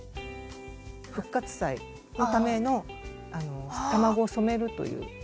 復活祭のための卵を染めるという体験を。